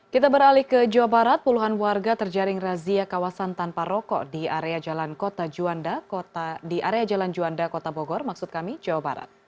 kita beralih ke jawa barat puluhan warga terjaring razia kawasan tanpa rokok di area jalan juanda kota bogor maksud kami jawa barat